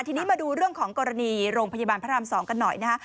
ทีนี้มาดูเรื่องของกรณีโรงพยาบาลพระราม๒กันหน่อยนะฮะ